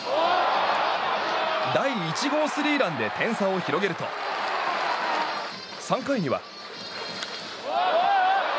第１号スリーランで点差を広げると３回には。